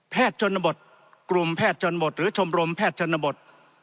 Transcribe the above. ชนบทกลุ่มแพทย์ชนบทหรือชมรมแพทย์ชนบท